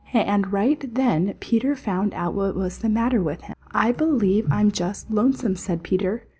And right then Peter found out what was the matter with him. "I believe I'm just lonesome," said Peter.